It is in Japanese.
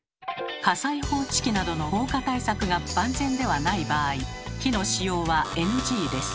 火災報知器などの防火対策が万全ではない場合火の使用はＮＧです。